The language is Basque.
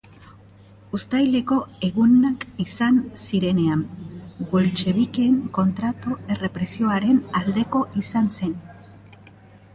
Uztaileko Egunak izan zirenean, boltxebikeen kontrako errepresioaren aldekoa izan zen.